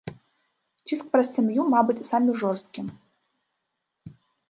Ціск праз сям'ю, мабыць, самы жорсткі.